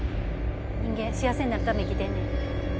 人間幸せになるために生きてんねん。